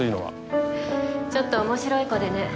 ちょっと面白い子でね。